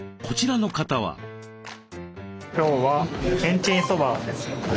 今日はけんちんそばです。